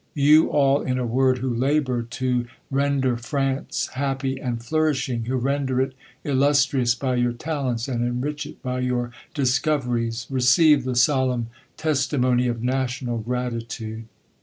You all, in a word, who labor to render France happy and flourishing ; who render it illustrious by your talents, and enrich it by your dis coveries ; receive the solemn testimony of national gratitude.